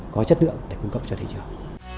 có chất lượng để cung cấp cho thị trường